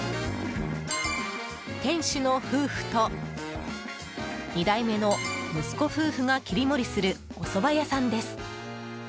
店主の夫婦と、２代目の息子夫婦が切り盛りするおそば屋さんです。